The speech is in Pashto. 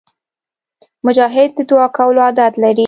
مجاهد د دعا کولو عادت لري.